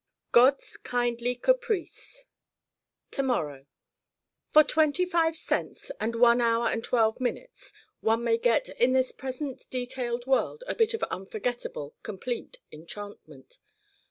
God's kindly caprice To morrow For twenty five cents and one hour and twelve minutes one may get in this present detailed world a bit of unforgettable complete enchantment.